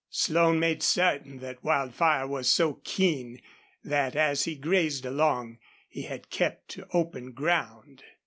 Slone made certain that Wildfire was so keen that as he grazed along he had kept to open ground.